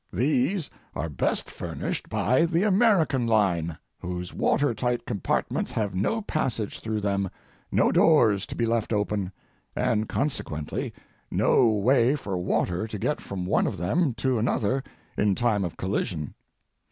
These are best furnished, by the American line, whose watertight compartments have no passage through them; no doors to be left open, and consequently no way for water to get from one of them to another in time of collision.